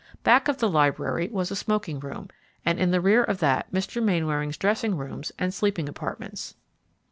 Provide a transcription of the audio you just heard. Back of the library was a smoking room, and in the rear of that Mr. Mainwaring's dressing rooms and sleeping apartments.